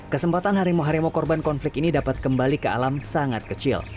kesempatan harimau harimau korban konflik ini dapat kembali ke alam sangat kecil